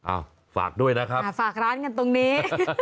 ฝากด้วยนะครับฝากร้านกันตรงนี้